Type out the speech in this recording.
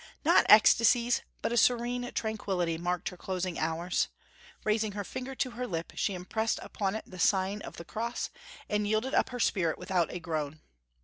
Not ecstasies, but a serene tranquillity, marked her closing hours. Raising her finger to her lip, she impressed upon it the sign of the cross, and yielded up her spirit without a groan.